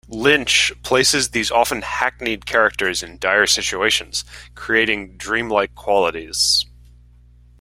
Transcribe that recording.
Lynch places these often hackneyed characters in dire situations, creating dream-like qualities.